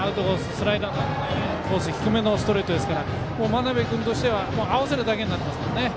スライダー低めのストレートですから真鍋君としては合わせるだけになってますから。